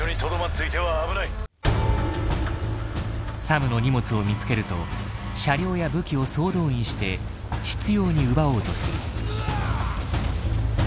サムの荷物を見つけると車両や武器を総動員して執拗に奪おうとする。